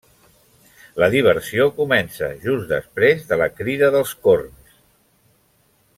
La diversió comença just després de la crida dels corns.